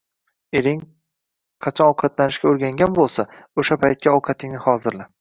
Ering qachon ovqatlanishga o‘rgangan bo‘lsa, o‘sha paytga ovqatingni hozirla.